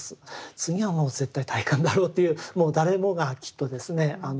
次はもう絶対大観だろうというもう誰もがきっとですね